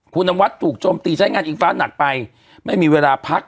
คุณนวัดถูกโจมตีใช้งานอิงฟ้าหนักไปไม่มีเวลาพัก